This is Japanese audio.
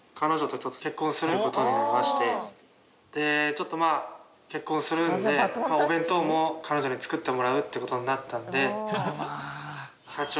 ちょっとまあ結婚するのでお弁当も彼女に作ってもらうって事になったので。